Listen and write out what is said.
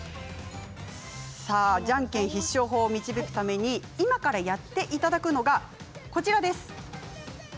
じゃんけん必勝法を導くために今からやっていただくのがこちら。